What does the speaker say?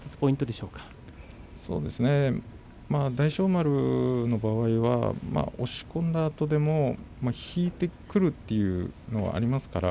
そうですね大翔丸の場合は押し込んだあとでも引いてくるということがあります。